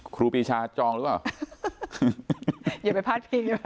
ครูปีชาจองหรือเปล่า